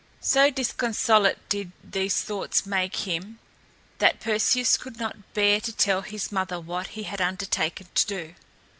So disconsolate did these thoughts make him that Perseus could not bear to tell his mother what he had undertaken to do.